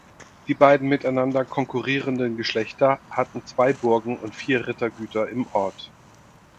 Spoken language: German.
Die beiden miteinander konkurrierenden Geschlechter hatten zwei Burgen und vier Rittergüter im Ort.